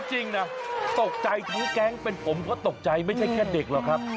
จริงนะตกใจทั้งแก๊งเป็นผมก็ตกใจไม่ใช่แค่เด็กหรอกครับ